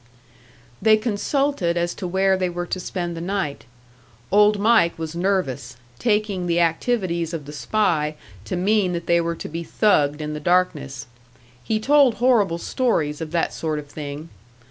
They consulted as to where they were to spend the night. Old Mike was nervous, taking the activities of the spy to mean that they were to be thugged in the darkness. He told horrible stories of that sort of thing.